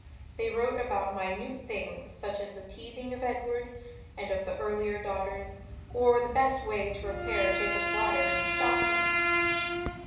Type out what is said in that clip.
They wrote about minute things such as the teething of Edward and of the earlier daughters or the best way to repair a Jacob's ladder in a stocking.